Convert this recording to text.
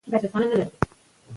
که مرسته وي نو غریب نه ژاړي.